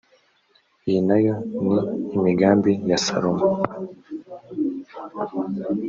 iyi na yo ni imigani ya salomo